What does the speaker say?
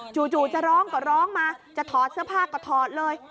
จู่จะร้องก็ร้องมาจะถอดเสื้อผ้าก็ถอดเลย